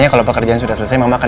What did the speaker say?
aku mau liat mama